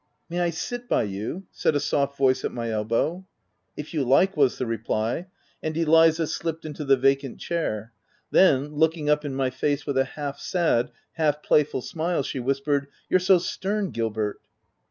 u May I sit by you ?" said a soft voice at my elbow. ° If you like/' was the reply ; and Eliza OF W1LDFELL HALL. 157 slipped into the vacant chair ; then looking up in my face with a half sad, half playful smile, she whispered —," You're so stern, Gilbert."